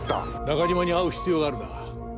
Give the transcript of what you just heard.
中島に会う必要があるな。